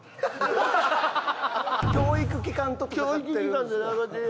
教育機関と闘ってる。